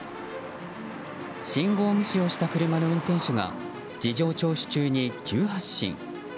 信号無視をした車の運転手が事情聴取中に急発進。